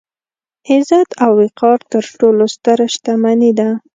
عزت او وقار تر ټولو ستره شتمني ده.